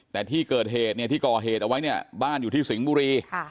แต่ที่เกิดเหตุเนี่ยที่ก่อเหตุเอาไว้เนี่ยบ้านอยู่ที่สิงห์บุรี